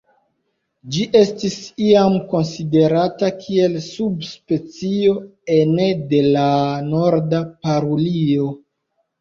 Ĝi estis iam konsiderata kiel subspecio ene de la Norda parulio.